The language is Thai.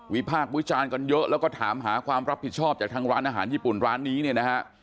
พากษ์วิจารณ์กันเยอะแล้วก็ถามหาความรับผิดชอบจากทางร้านอาหารญี่ปุ่นร้านนี้เนี่ยนะฮะ